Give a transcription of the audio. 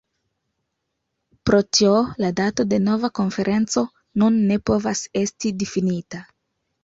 Pro tio la dato de nova konferenco nun ne povas esti difinita.